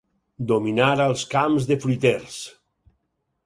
Dominar als camps de fruiters.